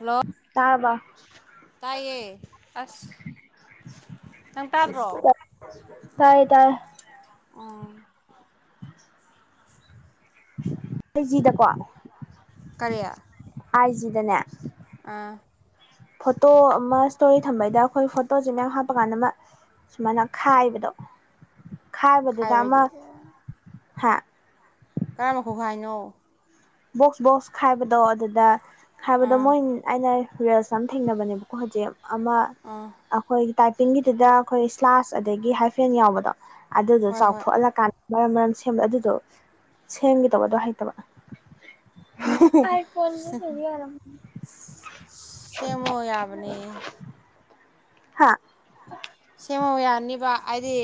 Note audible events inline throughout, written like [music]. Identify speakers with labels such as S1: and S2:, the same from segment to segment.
S1: Hello
S2: ꯑꯥꯕ
S1: ꯇꯥꯏꯌꯦ ꯑꯁ ꯅꯪ ꯇꯗ꯭ꯔꯣ
S2: ꯐꯥꯏꯗ
S1: ꯍ
S2: [unintelligible] ꯑꯖꯤꯗꯀꯣ
S1: ꯀꯔꯤ
S2: ꯑꯥꯏꯖꯤꯗꯅꯦ
S1: ꯑꯥ
S2: ꯐꯣꯇꯣ ꯑꯃ ꯏꯁꯇꯣꯔꯤ ꯊꯝꯕꯩꯗ ꯑꯩꯈꯣꯏ ꯐꯣꯇꯣꯁꯤꯦ ꯃꯌꯥꯝ ꯍꯥꯞꯄ ꯀꯥꯟꯗ ꯑꯃ ꯁꯨꯃꯥꯏꯅ ꯈꯥꯏꯕꯗꯣ ꯈꯥꯏꯕꯗꯨꯗ ꯑꯃ
S1: ꯈꯥꯏꯕꯗꯤ
S2: ꯍꯥ
S1: ꯀꯔꯝꯕꯈ ꯍꯥꯏ ꯍꯥꯏꯅꯣ
S2: ꯕꯣꯛꯁ ꯕꯣꯛꯁ ꯈꯥꯏꯕꯗꯣ ꯑꯗꯨꯗ ꯈꯥꯏꯕꯗꯣ
S1: ꯑꯥ
S2: ꯃꯣꯏ ꯑꯩꯅ ꯔꯨꯔꯦꯜꯁ ꯌꯥꯝ ꯊꯦꯡꯅꯕꯅꯦꯕꯀꯣ ꯍꯧꯖꯤꯛ ꯑꯃ
S1: ꯑꯥ
S2: ꯑꯩꯈꯣꯏ ꯇꯥꯏꯄꯤꯡꯒꯤꯗꯨꯗ ꯑꯩꯈꯣꯏ ꯏꯁ꯭ꯂꯥꯁ ꯑꯗꯒꯤ ꯍꯥꯏꯐꯦꯟ ꯌꯥꯎꯕꯗꯣ ꯑꯗꯨꯗꯣ
S1: ꯍꯣꯏ ꯍꯣꯏ
S2: ꯆꯥꯎꯊꯣꯛꯍꯜꯂꯀꯥꯟꯗ ꯃꯔꯝ ꯃꯔꯝ ꯁꯦꯝꯕ ꯑꯗꯨꯗꯣ ꯁꯦꯝꯒꯦꯗꯧꯕꯗꯣ ꯍꯩꯇꯕ ꯐꯣꯟꯣꯟ ꯍꯥꯏꯅꯤ ꯑꯔꯝ
S1: ꯁꯦꯝꯃꯣ ꯌꯥꯕꯅꯦ
S2: ꯍꯥꯥ
S1: ꯁꯦꯝꯃꯣ ꯌꯥꯅꯤꯕ ꯍꯥꯏꯗꯤ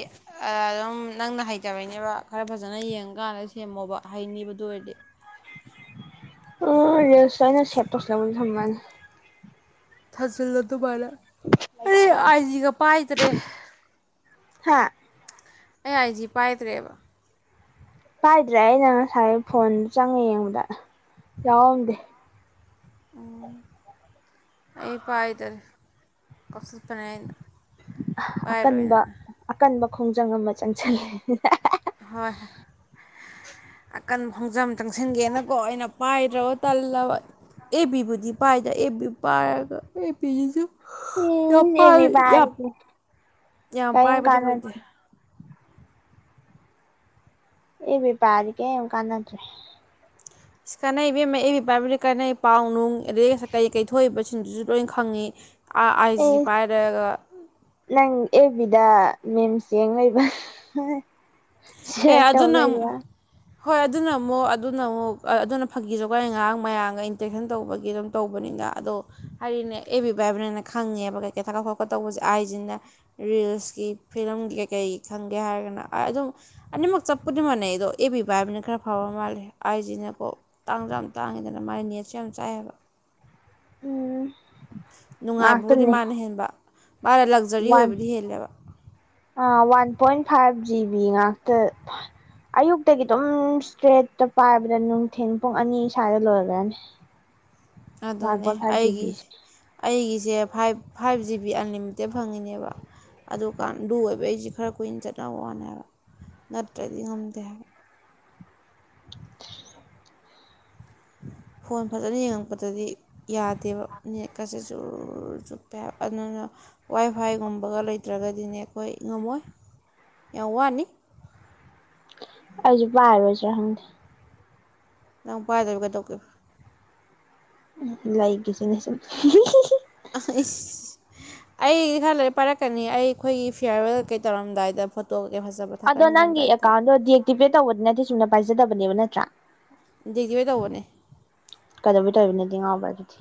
S1: ꯑꯗꯨꯝ ꯅꯪꯅ ꯍꯩꯇꯕꯩꯅꯦꯕ ꯈꯔ ꯐꯖꯅ ꯌꯦꯡꯀꯥꯟꯗ ꯁꯦꯝꯃꯣꯕ ꯍꯩꯅꯤꯕꯗ ꯗꯣꯏꯔ
S2: ꯑꯣ ꯔꯁꯥꯏꯅ ꯁꯦ ꯄꯁꯂ ꯃ ꯁꯅ
S1: ꯊꯥꯖꯤꯜꯂ ꯑꯗꯨꯃꯥꯏꯅ ꯑꯩ ꯑꯥꯏꯖꯤꯒ ꯄꯥꯏꯗ꯭ꯔꯦ
S2: ꯍꯥꯥ
S1: ꯑꯩ ꯑꯥꯏꯖꯤ ꯄꯥꯏꯗ꯭ꯔꯦꯕ
S2: ꯍꯥꯏꯥꯏꯗ꯭ꯔꯦ ꯑꯩꯅ ꯉꯁꯥꯏ ꯐꯣꯟ ꯆꯪꯉꯦ ꯌꯦꯡꯕꯗ ꯌꯥꯎꯔꯝꯗꯦ
S1: ꯎꯝ ꯑꯩ ꯄꯥꯏꯗꯔꯦ ꯀꯁ ꯐꯅꯥꯅ
S2: ꯑꯀꯟꯕ
S1: ꯄꯥꯏꯔꯣꯏꯅ
S2: ꯑꯀꯟꯕ ꯈꯣꯡꯖꯪ ꯑꯃ ꯆꯪꯁꯤꯜꯂꯤ
S1: ꯍꯣꯏ ꯀꯟ ꯈꯣꯡꯖꯝ ꯆꯪꯁꯤꯟꯒꯦꯅꯀꯣ ꯑꯩꯅ ꯄꯥꯏꯗ꯭ꯔꯕ ꯇꯜꯂꯕ ꯑꯦꯕꯤꯕꯨꯗꯤ ꯄꯥꯏꯗ ꯑꯦꯕꯤ ꯄꯥꯏꯔꯒ ꯑꯦꯕꯤꯁꯤꯁꯨ ꯌꯥꯝ
S2: ꯏꯁ ꯑꯦ
S1: ꯄꯥꯏ
S2: ꯕꯤ
S1: ꯌꯥꯝ
S2: ꯄꯥꯔꯤꯁꯦ
S1: ꯌꯥꯝ
S2: ꯀꯔꯤꯝ
S1: ꯄꯥꯏꯕꯗꯤ
S2: ꯀꯥꯟꯅꯗꯦ
S1: ꯑꯣꯏꯗꯦ
S2: ꯑꯦ ꯦꯄꯔ ꯀꯦ ꯀꯥꯟꯅꯠꯇ꯭ꯔꯦ
S1: ꯀꯥꯟꯅꯩꯕꯤ ꯑꯃ ꯏꯕꯤ ꯄꯥꯏꯕꯗꯤ ꯀꯥꯟꯅꯩ ꯄꯥꯎ ꯅꯨꯡ ꯑꯗꯗꯒꯤ ꯀꯩ ꯀꯩꯊꯣꯛꯏꯕ ꯊꯤꯟꯗꯨꯁꯨ ꯂꯣꯏ ꯈꯪꯉꯤ ꯑꯥꯏ
S2: ꯑꯦ
S1: ꯖꯤ ꯄꯥꯏꯔꯒ
S2: ꯗ ꯃꯤꯦꯝ ꯆꯦꯡ ꯂꯩꯕꯌꯥꯔ
S1: ꯑꯦ ꯑꯗꯨꯅ ꯑꯃꯨꯛ
S2: ꯇꯧꯔꯕ
S1: ꯍꯣꯏ ꯑꯗꯨꯅ ꯑꯃꯨꯛ ꯑꯗꯨꯅ ꯑꯃꯨꯛ ꯑꯗꯨꯅ ꯐꯥꯒꯤꯁꯨꯀꯥꯏ ꯉꯥꯏꯍꯥꯡ ꯃꯌꯥꯝꯒ ꯏꯟꯇꯦꯛꯁꯟ ꯇꯧꯕꯒꯤ ꯑꯗꯨꯝ ꯇꯧꯕꯅꯤ ꯑꯗꯣ ꯍꯥꯏꯔꯤꯅꯦ ꯑꯦ ꯕꯤꯕ ꯍꯥꯏꯕ꯭ꯔꯅ ꯈꯪꯉꯦꯕ ꯀꯩ ꯀꯩ ꯊꯥꯀꯠ ꯈꯣꯀꯠ ꯇꯧꯕꯁꯦ ꯑꯥꯏꯁꯤꯅ ꯔꯤꯜꯁꯀꯤ ꯐꯤꯂꯝꯒꯤ ꯀꯩꯀꯩ ꯈꯪꯒꯦ ꯍꯥꯏꯔꯒꯅ ꯑꯗꯨꯝ ꯑꯅꯤꯃꯛ ꯆꯞꯄꯗꯤꯡ ꯃꯥꯟꯅꯩ ꯑꯩꯗꯣ ꯑꯦ ꯄꯕꯤꯕ ꯍꯥꯏꯕꯅꯤꯅ ꯈꯔ ꯐꯕ ꯃꯥꯜꯂꯦ ꯑꯩꯁꯤꯅꯀꯣ ꯇꯥꯡꯖ꯭ꯔꯥ ꯌꯥꯝ ꯇꯥꯡꯉ ꯍꯥꯏꯗꯅ ꯃꯥꯒꯤ ꯅꯦꯠꯁꯨ ꯌꯥꯝ ꯆꯥꯏꯑꯌꯦꯕ
S2: ꯎ
S1: ꯅꯨꯡꯉꯥꯏꯕꯕꯨꯗꯤ ꯃꯥꯅ ꯍꯦꯟꯕ ꯃꯥꯅ ꯂꯛꯖꯔꯤ
S2: ꯋꯥꯟ
S1: ꯑꯣꯏꯕꯗꯤ ꯍꯦꯜꯂꯦꯕ
S2: ꯑ ꯋꯥꯟ ꯄꯟ ꯐꯥꯏꯚ ꯖꯤꯕꯤ ꯉꯥꯛꯇ ꯑꯌꯨꯛꯇꯒꯤ ꯑꯗꯨꯝ ꯏꯁꯇ꯭ꯔꯦꯠꯇ ꯄꯥꯏꯕꯗ ꯅꯨꯡꯊꯤꯟ ꯄꯨꯡ ꯑꯅꯤ ꯁ꯭ꯋꯥꯏꯗ ꯂꯣꯏꯈ꯭ꯔꯅꯤ [unintelligible] ꯋꯥꯟ
S1: ꯑꯗꯨꯅꯦ
S2: ꯄꯣꯏꯟ ꯐꯥꯏꯚ
S1: ꯑꯩꯒꯤ
S2: ꯖꯤꯕꯤꯁꯦ
S1: ꯑꯩꯒꯤ ꯁꯦ five five G B unlimited ꯐꯪꯉꯤꯅꯦꯕ ꯑꯗꯨꯀꯥꯟ ꯑꯗꯨ ꯑꯣꯏꯕ ꯑꯩꯁꯤ ꯈꯔ ꯀꯨꯏꯅ ꯆꯠꯅꯕ ꯋꯥꯅꯦ ꯍꯥꯏꯕ ꯅꯠꯇ꯭ꯔꯗꯤ ꯉꯝꯗꯦ ꯍꯥꯏꯕ
S2: [inaudible]
S1: ꯐꯣꯟ ꯐꯖꯅ ꯌꯦꯡꯉꯛꯄꯗꯗꯤ ꯌꯥꯗꯦꯕ ꯅꯦꯠꯀꯁꯦ ꯆꯨꯔ ꯆꯨꯞꯄꯦ ꯍꯥꯏꯕ ꯑꯗꯨꯅ ꯋꯥꯏ ꯐꯥꯏꯒꯨꯝꯕꯒ ꯂꯩꯇ꯭ꯔꯒꯗꯤꯅꯦ ꯑꯩꯈꯣꯏ ꯉꯝꯃꯣꯏ ꯌꯥ ꯋꯥꯅꯤ
S2: ꯑꯖꯤ ꯔꯕꯖꯗ
S1: ꯅꯪ ꯄꯥꯏꯗꯔꯤꯕ ꯀꯩꯗꯧꯒꯦ
S2: ꯂꯒꯁꯤ ꯅꯁ
S1: ꯑ ꯑꯩꯗꯤ ꯈꯔ ꯂ ꯄꯥꯏꯔꯛꯀꯅꯤ ꯑꯩꯈꯣꯏꯒꯤ ꯐꯤꯌꯥꯔꯋꯦꯜ ꯀꯩ ꯇꯧꯔꯝꯗꯥꯏꯗ ꯐꯣꯇꯣ ꯀꯩꯀꯩ ꯐꯖꯕ
S2: ꯑꯗꯣ ꯅꯪꯒꯤ
S1: ꯊꯥꯒꯠꯅꯤꯡꯉꯝꯗꯥꯏꯗ
S2: ꯑꯦꯀꯥꯎꯟꯗꯣ ꯗꯤꯑꯛꯇꯤꯚꯦꯠ ꯇꯧꯕꯗꯤ ꯅꯠꯇꯦ ꯁꯨꯝꯅ ꯄꯥꯏꯖꯗꯕꯅꯦꯕ ꯅꯠꯇ꯭ꯔꯥ
S1: ꯈꯤꯕꯩ ꯇꯧꯕꯅꯦ
S2: ꯀꯩꯗꯧꯧꯕꯤ ꯇꯕꯤ ꯅꯠꯇꯦ ꯉꯥꯎꯕ ꯑꯗꯨꯗꯤ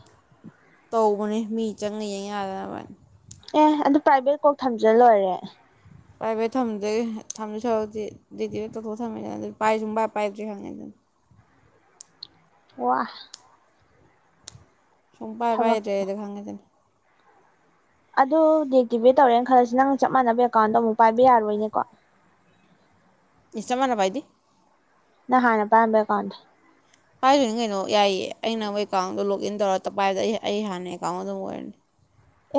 S1: ꯇꯧꯕꯅꯦ ꯃꯤ ꯆꯪꯉ ꯌꯦꯡ ꯌꯥꯗꯅꯕꯅꯤ
S2: ꯑꯦ ꯑꯗꯨ ꯄ꯭ꯔꯥꯏꯚꯦꯠ ꯀꯧ ꯊꯝꯖ ꯂꯣꯏꯔꯦ
S1: ꯄ꯭ꯔꯥꯏꯚꯦꯠ ꯊꯝꯗ꯭ꯔꯦ ꯊꯝꯗ ꯁꯧꯔꯗꯤ ꯗꯤꯗꯤ ꯇꯣꯛ ꯊꯝꯃꯦꯗꯅ ꯑꯗꯨ ꯄꯥꯏ ꯁ ꯄꯥꯏ ꯄꯥꯏꯗ꯭ꯔꯤ ꯈꯪꯉꯦꯗꯅ
S2: ꯋꯥ
S1: ꯁꯨꯡꯄꯥꯏ
S2: ꯊꯕꯛ
S1: ꯥꯏꯔꯦꯗ ꯈꯥꯉꯗꯅ
S2: ꯑꯗꯨ ꯗ ꯑꯦꯛꯇꯤꯚꯦꯠ ꯇꯧꯔꯦꯅ ꯈꯜꯂꯁꯤ ꯅꯪꯅ ꯆꯞ ꯃꯥꯟꯅꯕ ꯑꯦꯀꯥꯎꯟꯗꯣ ꯑꯃꯨꯛ ꯄꯥꯏꯕ ꯌꯥꯔꯣꯏꯅꯦꯀꯣ [inaudible]
S1: ꯅꯤꯡ ꯆꯃꯅꯕꯥꯏꯗꯤ
S2: ꯅ ꯍꯥꯏꯥꯟꯅ ꯄꯝꯃꯦ ꯀꯣꯟꯗ
S1: ꯄꯥꯏꯗꯣꯏꯅꯤ ꯀꯩꯅꯣ ꯌꯥꯏꯌꯦ ꯑ ꯅ ꯃꯣꯏ ꯑꯦꯀꯥꯎꯟꯗꯣ ꯂꯣꯛꯒ ꯏꯟ ꯇꯧꯔ ꯄꯥꯏꯗ ꯑꯩ ꯑꯩ ꯍꯥꯟꯅ ꯑꯦꯀꯥꯎꯟ ꯑꯗꯨꯝ ꯑꯣꯏꯔꯅꯤ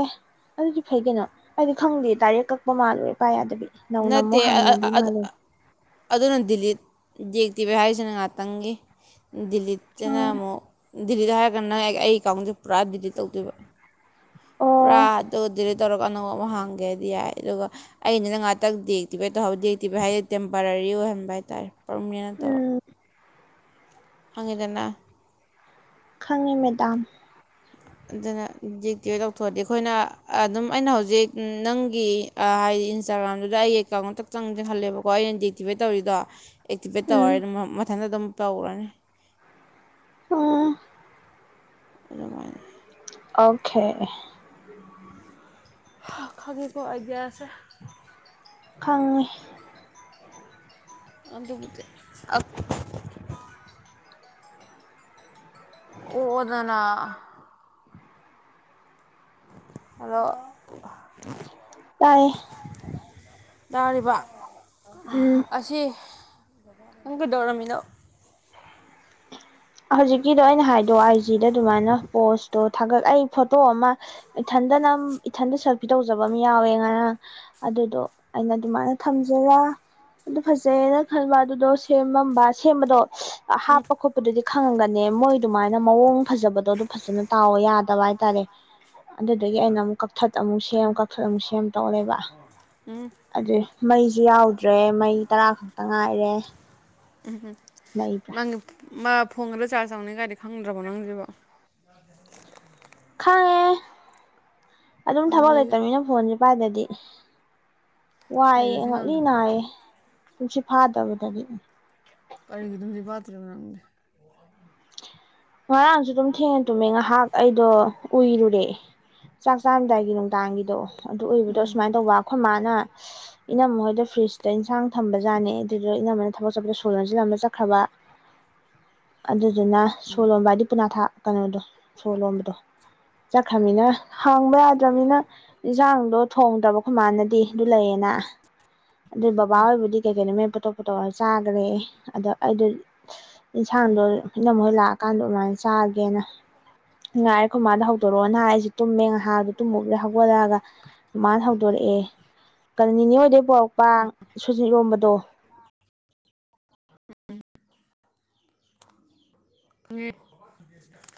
S2: ꯑꯦ ꯑꯗꯨꯗꯤ ꯐꯩ ꯀꯩꯅꯣ ꯑꯩꯗꯤ ꯈꯪꯗꯦ ꯗꯥꯏꯔꯦꯛ ꯀꯛꯄ ꯃꯥꯜꯂꯨꯔꯦ ꯄꯄꯥ ꯌꯥꯗꯕꯤ ꯅꯧ ꯅꯃꯣ
S1: ꯅꯠꯇꯦ
S2: ꯍꯥꯡꯅꯕꯤ ꯃꯥꯂꯦ
S1: ꯑꯗꯨꯅ ꯗꯤꯜꯂꯤ ꯌꯦꯦꯛꯇꯤꯕ ꯍꯥꯏꯔꯤꯁꯤꯅ ꯉꯥꯏꯍꯥꯛꯇꯪꯒꯤ ꯗꯤꯂꯤꯠꯇꯅ
S2: ꯑꯥ
S1: ꯑꯃꯨꯛ ꯗꯤꯂꯤꯠ ꯍꯥꯏꯔꯒꯥꯟ ꯅꯪ ꯑꯩ ꯑꯦꯀꯥꯎꯟꯁꯦ ꯄꯨꯔꯥ ꯗꯤꯂꯤꯠ ꯇꯧꯗꯣꯏꯕ ꯄꯨꯔꯥ
S2: ꯑꯣ
S1: ꯑꯗꯨ ꯗꯤꯂꯦ ꯇꯧꯔꯒ ꯑꯅꯧꯕ ꯑꯃꯨꯛ ꯍꯥꯡꯒꯦ ꯍꯥꯏꯗꯤ ꯌꯥꯏ ꯑꯗꯨꯒ ꯑꯩꯅ ꯅ ꯉꯥꯏꯥꯛꯇꯪ ꯗꯦꯛꯇꯤꯕꯩ ꯇꯧꯍꯔꯛꯦ ꯍꯧ ꯗꯛꯇꯤꯚ ꯍꯥꯏꯗꯤ ꯇꯦꯝꯄꯔꯔꯤ ꯑꯣꯏꯍꯟꯕ ꯍꯥꯏꯇꯥꯔꯦ ꯄꯔꯃꯅꯦꯟ ꯅꯠꯇꯕ
S2: ꯎꯝ
S1: ꯍꯪꯉꯤꯗꯅ
S2: ꯈꯪꯉꯤ ꯃꯦꯗꯥꯝ
S1: ꯑꯗꯨꯅ ꯖꯤꯛꯇꯤ ꯇꯧꯊꯣꯛꯑꯗꯤ ꯑꯩꯈꯣꯏꯅ ꯑꯗꯨꯝ ꯑꯩꯅ ꯍꯧꯖꯤꯛ ꯅꯪꯒꯤ ꯍꯥꯏ ꯏꯟꯁꯇꯥꯒ꯭ꯔꯥꯝꯗꯨꯗ ꯑꯩꯒꯤ ꯑꯦꯀꯥꯎꯟ ꯑꯃꯇꯛꯇ ꯆꯪ ꯆꯍꯜꯂꯦꯕꯀꯣ ꯑꯩꯅ ꯗꯦꯛꯇꯤꯚꯦꯠ ꯇꯧꯔꯤꯗꯣ ꯑꯦꯛꯇꯤꯚꯦꯠ
S2: ꯎꯝ
S1: ꯇꯧꯔꯅꯤ ꯑꯗꯨ ꯃꯊꯟꯇ ꯑꯗꯨꯝ ꯇꯧꯔꯅꯤ
S2: ꯑꯣ
S1: ꯑꯗꯨꯃꯥꯏ
S2: ꯑꯣꯀꯦ
S1: ꯈꯪꯒꯦꯀꯣ ꯑꯒꯦꯁ
S2: ꯈꯪꯉꯤ
S1: ꯑꯗꯨ ꯑ ꯑꯣꯗ ꯅꯅꯥ ꯑꯗꯣ
S2: ꯇꯌꯦ
S1: ꯇꯥꯔꯤꯕ
S2: ꯎꯝ
S1: ꯑꯁꯤ ꯉꯪꯒ ꯗꯧꯔꯃꯤꯅꯣ
S2: [inaudible] ꯍꯧꯖꯤꯛꯀꯤꯗꯣ ꯑꯩꯅ ꯍꯥꯏꯗꯣ ꯑꯥꯏ ꯖꯤꯗ ꯑꯗꯨꯃꯥꯏꯅ ꯄꯣꯁꯇꯣ ꯊꯥꯒꯠꯂ ꯑꯩ ꯐꯣꯇꯣ ꯑꯃ ꯏꯊ ꯅꯅꯝ ꯏꯊꯟꯗ ꯁꯦꯜꯐꯤ ꯇꯧꯖꯕ ꯑꯃ ꯌꯥꯎꯋꯦ ꯉꯔꯥꯡ ꯑꯗꯨꯗꯣ ꯑꯩꯅ ꯑꯗꯨꯃꯥꯏꯅ ꯊꯝꯖꯔꯥ ꯑꯗꯨ ꯐꯖꯩꯅ ꯈꯟꯕ ꯑꯗꯨꯗꯣ ꯁꯦꯝꯃꯝꯕ ꯁꯦꯝꯕꯗꯣ
S1: ꯎꯝ
S2: ꯍꯥꯞ ꯗꯤ ꯈꯪꯉꯒꯅꯦ ꯃꯣꯏ ꯑꯗꯨꯃꯥꯏꯅ ꯃꯑꯣꯡ ꯐꯖꯕꯗꯣ ꯑꯗꯨ ꯐꯖꯅ ꯇꯥꯎꯋ ꯌꯥꯗꯕ ꯍꯥꯏꯇꯥꯔꯦ ꯑꯗꯨꯗꯒꯤ ꯑꯩꯅ ꯑꯃꯨꯛ ꯀꯛꯊꯠ ꯑꯃꯨꯛ ꯁꯦꯝ
S1: ꯀꯩꯅꯣ
S2: ꯀꯛꯊꯠ ꯑꯃꯨꯛ ꯁꯦꯝ ꯇꯧꯔ ꯂꯩꯕ
S1: ꯎꯝ
S2: ꯑꯗꯨꯏ꯫ ꯃꯩꯁꯨ ꯌꯥꯎꯗ꯭ꯔꯦ ꯃꯩ ꯇꯔꯥ ꯈꯛꯇ ꯉꯥꯏꯔꯦ꯫
S1: ꯎꯝ ꯎꯝ
S2: ꯂꯩꯕ꯭ꯔꯥ
S1: ꯅꯪꯒꯤ ꯐꯣ ꯃꯥ ꯐꯣꯟ ꯒꯗꯣ ꯆꯥꯔꯖ ꯇꯧꯅꯤ ꯒꯥꯅ ꯈꯪꯗ꯭ꯔꯕꯣ ꯅꯪꯁꯤꯕꯣ꯫
S2: ꯈꯪꯉꯦ ꯑꯗꯨꯝ ꯊꯕꯛ
S1: ꯑꯗꯨꯗꯤ
S2: ꯂꯩꯇꯝꯅꯤꯅ ꯐꯣꯟꯁꯦꯄꯥꯏꯗꯗꯤ꯫ ꯋꯥꯏꯑꯦ
S1: ꯂꯩꯕꯁꯤ
S2: ꯉꯛꯂꯤ
S1: ꯉꯝꯗꯕ
S2: ꯅꯥꯏꯌꯦ ꯇꯨꯝꯁꯤꯠ ꯐꯥꯗꯕꯗꯒꯤ꯫
S1: ꯀꯔꯤꯒꯤ ꯇꯨꯝꯁꯤꯠ ꯐꯗꯔꯤꯕ ꯅꯪꯗꯤ꯫
S2: ꯉꯔꯥꯡꯁꯨ ꯑꯗꯨꯝ ꯊꯦꯡꯅ ꯇꯨꯝꯃꯦ ꯉꯥꯏꯍꯥꯛ ꯑꯩꯗꯣ ꯎꯏꯔꯨꯔꯦ꯫ ꯆꯥꯛ ꯆꯥꯔꯝꯗꯥꯏꯒꯤ ꯅꯨꯡꯗꯥꯡꯒꯤꯗꯣ ꯑꯗꯨ ꯎꯏꯕꯗꯣ ꯁꯨꯃꯥꯏꯅ ꯇꯧꯕ ꯑꯩꯈꯣꯏ ꯃꯥꯅ ꯏꯅꯝꯃ ꯍꯣꯏꯗ꯫ ꯐ꯭ꯔꯤꯖꯇ ꯏꯟꯁꯥꯡ ꯊꯝꯕ ꯖꯥꯠꯅꯦ ꯑꯗꯨꯗ ꯏꯅꯝꯃꯥꯅ ꯊꯕꯛ ꯆꯠꯄꯗ ꯁꯣ ꯂꯣꯟꯁꯤꯜꯂꯝꯒ ꯆꯠꯈ꯭ꯔꯕ꯫ ꯑꯗꯨ ꯗꯨꯅ꯫ ꯁꯣꯔ ꯂꯣꯟꯕ ꯍꯥꯏꯗꯤ ꯄꯨꯅꯥ ꯊꯥ ꯀꯩꯅꯣꯗꯣ ꯁꯣꯔ ꯂꯣꯟꯕꯗꯣ ꯆꯠꯈ꯭ꯔꯝꯅꯤꯅ꯫ ꯍꯥꯡꯕ ꯌꯥꯗ꯭ꯔꯕꯅꯤꯅ ꯏꯟꯁꯥꯡꯗꯣ ꯊꯣꯡꯗ꯭ꯔꯕ ꯑꯈꯣꯏ ꯃꯥꯥꯅꯗꯤ ꯑꯗꯨ ꯂꯩꯌꯦꯅ꯫ ꯑꯗꯨ ꯕꯥꯕꯥ ꯍꯣꯏꯕꯨꯗꯤ ꯀꯩꯩꯅ ꯀꯩꯅꯣ ꯃꯌꯥꯝ ꯑꯇꯣꯞꯄ ꯇꯧꯔꯒ ꯆꯥꯒꯔꯦ ꯑꯗ ꯑꯩꯗꯨ ꯏꯟꯁꯥꯡꯗꯣ ꯏꯅꯝꯃꯥꯍꯣꯏ ꯂꯥꯛꯑꯀꯥꯟꯗ꯫ [unintelligible] ꯆꯥꯒꯦꯅ꯫ ꯉꯥꯏꯔꯦ ꯑꯈꯣꯏ ꯃꯥꯗ ꯍꯧꯗꯣꯔꯛꯑꯣꯅ ꯍꯥꯏ ꯑꯩꯁꯦ ꯇꯨꯝꯃꯦ ꯉꯥꯏꯍꯥꯛ ꯑꯗꯨ ꯇꯨꯝꯃꯨꯕꯗꯩꯩ ꯍꯧꯒꯠꯂꯛꯑꯒ ꯃꯥꯅ ꯍꯧꯗꯣꯔꯛꯑꯦ꯫ ꯑꯦ ꯀꯅꯤꯅꯦ ꯍꯣꯏ꯫ ꯄꯥꯟ ꯁꯨꯖꯤꯠ ꯏꯔꯣꯝꯕꯗꯣ꯫
S1: [unintelligible]